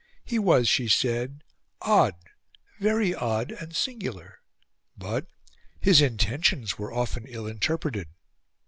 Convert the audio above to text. He was, she said, "odd, very odd and singular," but "his intentions were often ill interpreted."